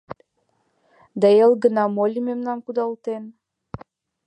Да эл гына моли мемнам кудалтен?